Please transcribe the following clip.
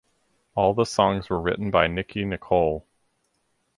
All the songs were written by Nicki Nicole.